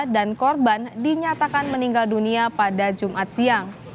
dan korban dinyatakan meninggal dunia pada jumat siang